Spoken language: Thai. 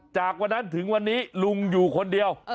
จากวันนั้นถึงวันนี้ลุงอยู่คนเดียว